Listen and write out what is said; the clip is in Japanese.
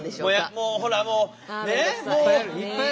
もうほらもうねえ？